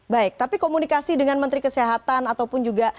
baik tapi komunikasi dengan menteri kesehatan ataupun juga